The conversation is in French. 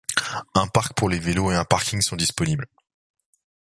Un parc pour les vélos et un parking sont disponibles.